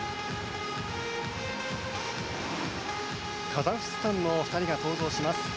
カザフスタンの２人が登場します。